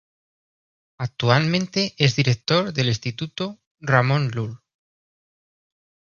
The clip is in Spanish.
Actualmente es director del Instituto Ramon Llull.